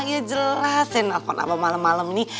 ya jelas saya nelfon abah malam malam ini